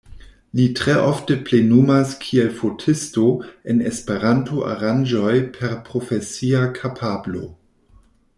Li tre ofte plenumas kiel fotisto en Esperanto aranĝoj per profesia kapablo.